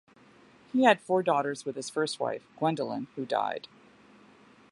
He had four daughters with his first wife, Gwendolyn, who died.